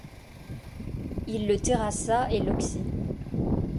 Il le terrassa et l'occit.